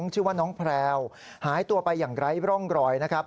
ชื่อว่าน้องแพรวหายตัวไปอย่างไร้ร่องรอยนะครับ